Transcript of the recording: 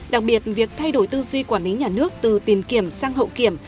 đặc biệt việc thay đổi tư duy quản lý nhà nước từ tiền kiểm sang hậu kiểm